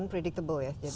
itu tidak terlambat ya